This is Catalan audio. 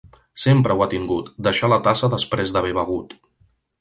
Sempre ho ha tingut, deixar la tassa després d'haver begut.